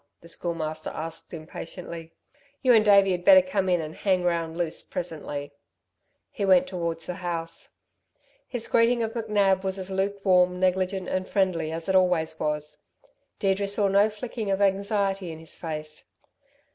the Schoolmaster asked, impatiently. "You and Davey had better come in and hang round loose presently." He went towards the house. His greeting of McNab was as lukewarm, negligent and friendly as it always was. Deirdre saw no flicker of anxiety in his face.